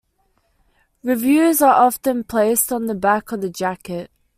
Reviews are often placed on the back of the jacket.